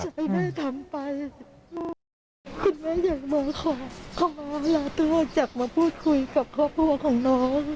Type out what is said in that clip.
คุณแม่ทำไปคุณแม่อยากมาขอขอลาตัวจากมาพูดคุยกับครอบครัวของน้อง